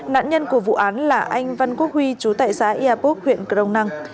nạn nhân của vụ án là anh văn quốc huy chú tại xã yà bốc huyện crong năng